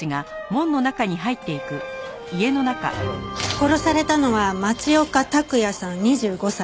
殺されたのは町岡卓也さん２５歳。